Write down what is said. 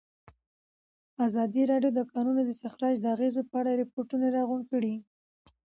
ازادي راډیو د د کانونو استخراج د اغېزو په اړه ریپوټونه راغونډ کړي.